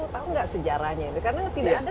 tahu nggak sejarahnya itu karena tidak ada